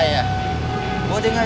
yaudah paham kabarnya